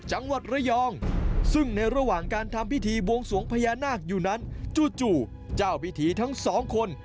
จังหวัดระยองซึ่งในระหว่างการทำพิธีบวงสวงพญานาคอยู่นั้นจู่เจ้าพิธีทั้งสองคน